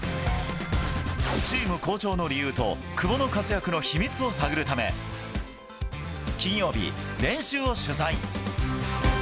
チーム好調の理由と、久保の活躍の秘密を探るため、金曜日、練習を取材。